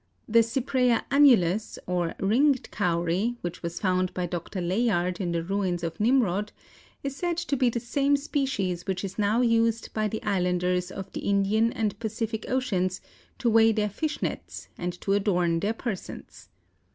The Cypraea annulus, or ringed cowrie, which was found by Dr. Layard in the ruins of Nimroud, is said to be the same species which is now used by the islanders of the Indian and Pacific Oceans to weight their fish nets and to adorn their persons.